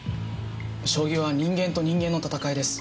将棋は人間と人間の戦いです。